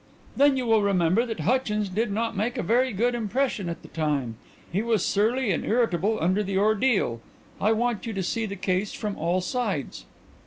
"Then you will remember that Hutchins did not make a very good impression at the time. He was surly and irritable under the ordeal. I want you to see the case from all sides."